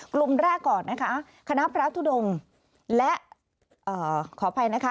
กลุ่มแรกก่อนนะคะคณะพระทุดงและขออภัยนะคะ